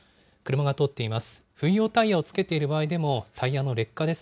車が通っています。